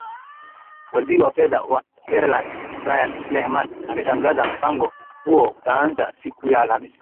waziri wa fedha wa ireland brian lehman ametangaza mpango huo utaanza siku ya alhamisi